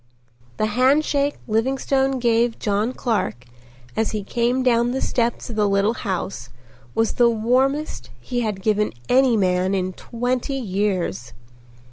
The handshake Livingstone gave John Clark as he came down the steps of the little house was the warmest he had given any man in twenty years.